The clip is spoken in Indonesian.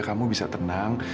kamu bisa tenang